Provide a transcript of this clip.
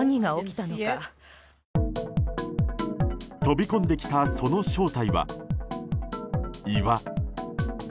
飛び込んできたその正体は、岩。